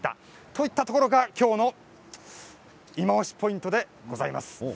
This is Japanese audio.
といったところが今日のいまオシポイントでございます。